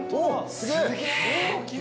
すげえ！